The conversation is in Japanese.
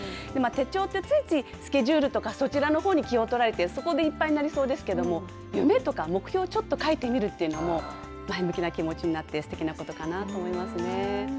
手帳って、ついついスケジュールとかそちらのほうに気を取られて、そこでいっぱいになりそうですけれども、夢とか目標をちょっと書いてみるというのも、前向きな気持ちになって、すてきなことかなと思いますね。